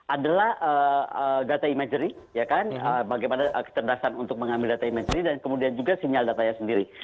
adalah data imagery bagaimana kecerdasan untuk mengambil data imagery dan kemudian juga sinyal datanya sendiri